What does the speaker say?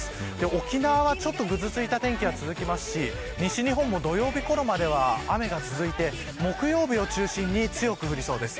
沖縄はちょっとぐずついた天気が続きますし西日本も土曜日ごろまでは雨が続いて木曜日を中心に強く降りそうです。